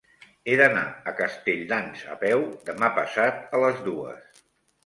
He d'anar a Castelldans a peu demà passat a les dues.